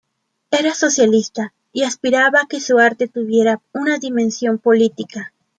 Era socialista, y aspiraba a que su arte tuviera una dimensión política.